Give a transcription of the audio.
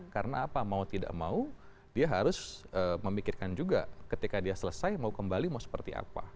karena apa mau tidak mau dia harus memikirkan juga ketika dia selesai mau kembali mau seperti apa